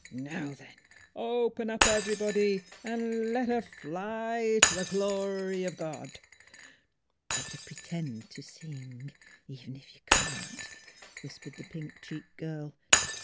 ... Now, then, open up everybody, an' let her fly t' th' glory o' God !"" Better pretend t' sing, even if you can't," whispered the pink cheeked girl.